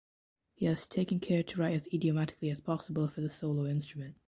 He has taken care to write as idiomatically as possible for the solo instrument.